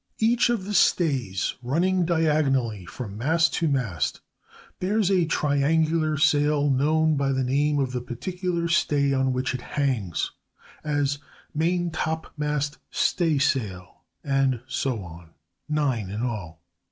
Each of the stays running diagonally from mast to mast bears a triangular sail known by the name of the particular stay on which it hangs, as maintopmast staysail, and so on—nine in all.